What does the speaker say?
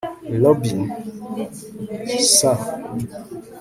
robin s